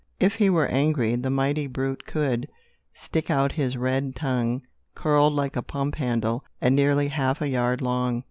If he were angry, the mighty brute could stick out his red tongue, curled like a pump handle, and nearly half a yard long.